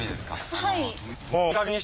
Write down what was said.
はい。